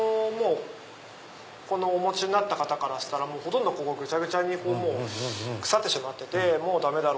お持ちになった方からしたらほとんどここぐちゃぐちゃに腐ってしまっててダメだろう。